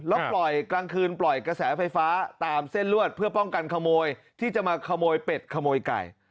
แล้วปล่อยกลางคืนปล่อยกระแสไฟฟ้าตามเส้นลวดเพื่อป้องกันขโมยที่จะมาขโมยเป็ดขโมยไก่